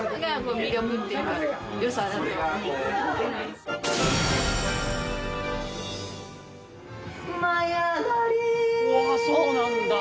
うわあそうなんだ！